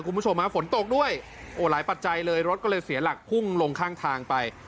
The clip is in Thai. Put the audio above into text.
คุณผู้ชมฮะฝนตกด้วยโอ้หลายปัจจัยเลยรถก็เลยเสียหลักพุ่งลงข้างทางไป